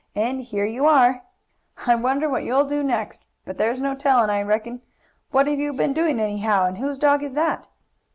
And here you are! "I wonder what you'll do next? But there's no telling, I reckon. What have you been doing, anyhow, and whose dog is that?"